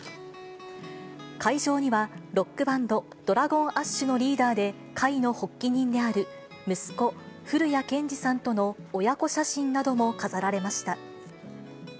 会場にはロックバンド、ＤｒａｇｏｎＡｓｈのリーダーで、会の発起人である息子、降谷建志さんとの親子写真なども飾られました。